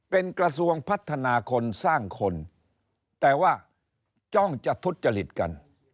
เป็นกระทรวงพัฒนาคนสร้างคนแต่ว่าจ้องจะทุจจริตกัน